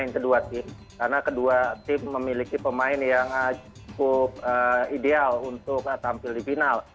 karena kedua tim memiliki pemain yang cukup ideal untuk tampil di final